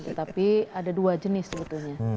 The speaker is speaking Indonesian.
tetapi ada dua jenis sebetulnya